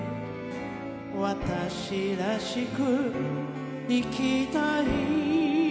「私らしく生きたい」